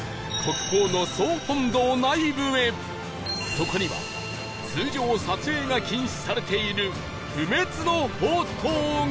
そこには通常撮影が禁止されている不滅の法灯が